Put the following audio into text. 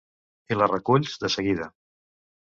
I la reculls, de seguida.